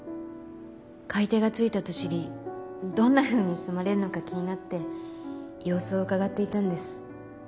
買い手がついたと知りどんなふうに住まれるのか気になって様子をうかがっていたんです。